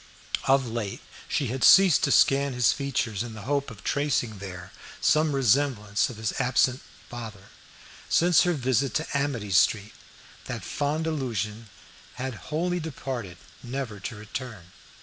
Of late she had ceased to scan his features in the hope of tracing there some resemblance of his absent father. Since her visit to Amity street, that fond illusion had wholly departed, never to return.